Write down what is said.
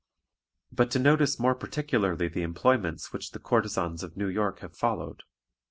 But to notice more particularly the employments which the courtesans of New York have followed.